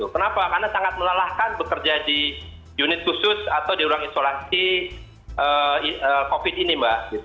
kenapa karena sangat melelahkan bekerja di unit khusus atau di ruang isolasi covid ini mbak